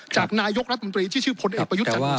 จากนายกรัฐมนตรีที่ชื่อพลเอกประยุทธ์จันทร์